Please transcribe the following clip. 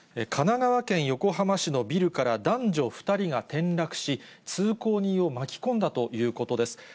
神奈川県横浜市のビルから、男女２人が転落し、通行人を巻き込んだということです。